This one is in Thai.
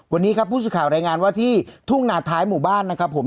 วันนี้ครับพูดสุดข่าวแรงงานว่าที่ทุกข์นาท้ายหมู่บ้านนะครับ